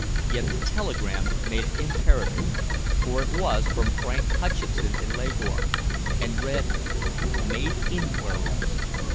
Yet the telegram made it imperative, for it was from Frank Hutcheson in Leghorn, and read _"Made inquiries.